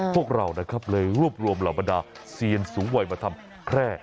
พวกเราเลยรวบรวมเหล่าประณาเสียญสูงไวมันทำแคร่